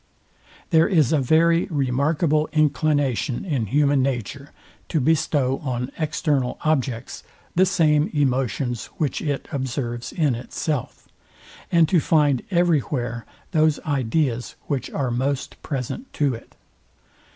There is a very remarkable inclination in human nature, to bestow on external objects the same emotions, which it observes in itself; and to find every where those ideas, which are most present to it.